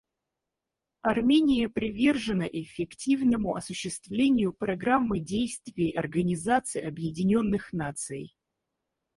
Армения привержена эффективному осуществлению Программы действий Организации Объединенных Наций.